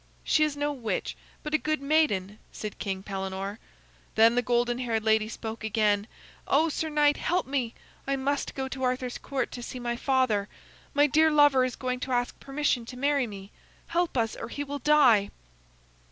"She is no witch, but a good maiden," said King Pellenore. Then the golden haired lady spoke again. "Oh, sir knight, help me! I must go to Arthur's Court to see my father. My dear lover is going to ask permission to marry me. Help us or he will die."